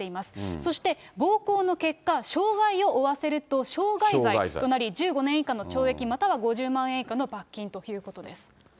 そして、暴行の結果、傷害を負わせると傷害罪となり、１５年以下の懲役または５０万円以下の罰金ということです。